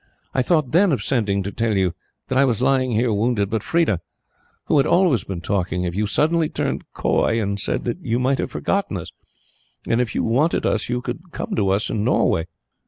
I thought then of sending to tell you that I was lying here wounded; but Freda, who had always been talking of you, suddenly turned coy and said that you might have forgotten us, and if you wanted us you would come to us in Norway."